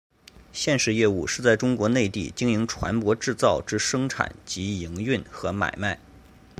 现时业务是在中国内地经营船舶制造之生产及营运和买卖。